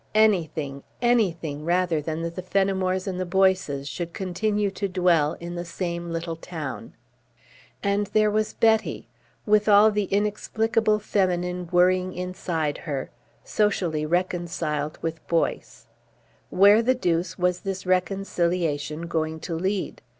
Anything, anything rather than that the Fenimores and the Boyces should continue to dwell in the same little town. And there was Betty with all the inexplicable feminine whirring inside her socially reconciled with Boyce. Where the deuce was this reconciliation going to lead?